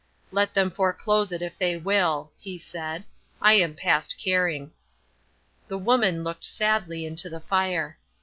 "Let them foreclose it, if they will," he said; "I am past caring." The woman looked sadly into the fire.